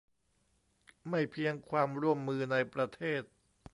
ไม่เพียงความร่วมมือในประเทศ